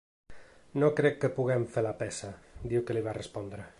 No crec que puguem fer la peça, diu que li va respondre.